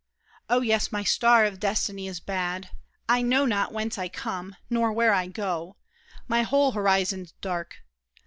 Oh, yes, my star of destiny is bad. I know not whence I come, nor where I go. My whole horizon's dark.